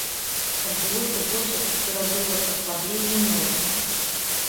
Адбылося больш як пяціразовае паслабленне нормы.